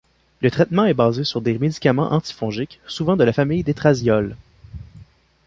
Le traitement est basé sur des médicaments antifongiques, souvent de la famille des triazoles.